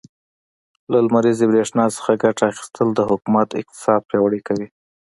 له لمريزې برښنا څخه ګټه اخيستل, د حکومت اقتصاد پياوړی کوي.